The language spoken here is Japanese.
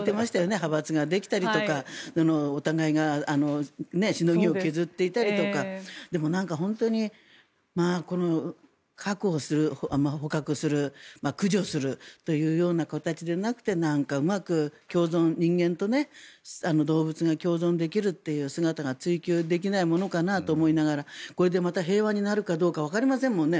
派閥を作るとかお互いがしのぎを削っていたりとかでも本当にこの確保する捕獲する、駆除するというような形でなくて何かうまく共存人間と動物が共存できるという姿が追求できないかと思いながらこれでまた平和になるかどうかわかりませんもんね。